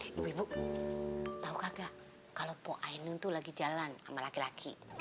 ibu ibu tau kagak kalo pok ainu tuh lagi jalan sama laki laki